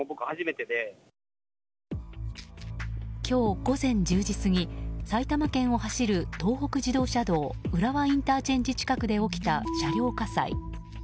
午前１０時過ぎ、埼玉県を走る東北自動車道浦和ＩＣ近くで起きた車両火災。